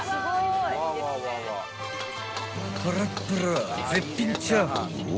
［パラッパラ絶品チャーハンを］